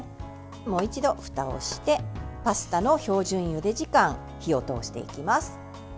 もう一度ふたをしてパスタの標準ゆで時間火を通していきます。